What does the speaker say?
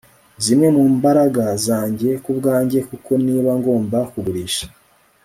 Zimwe mu mbaraga zanjye kubwanjye kuko niba ngomba kugurisha